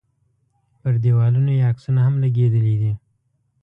پر دیوالونو یې عکسونه هم لګېدلي وي.